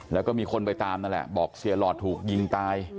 แล้วก็มีคนไปตามนั่นแหละบอกเสียหลอดถูกยิงตาย